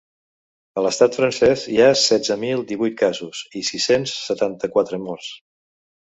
A l’estat francès hi ha setze mil divuit casos i sis-cents setanta-quatre morts.